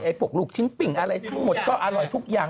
ไอ้ปุกลูกชิ้นปิ่งอะไรหมดก็อร่อยทุกอย่าง